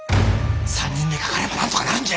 ３人でかかればなんとかなるんじゃ。